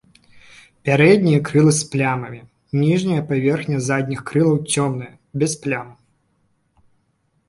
Пярэднія крылы з плямамі, ніжняя паверхня задніх крылаў цёмная, без плям.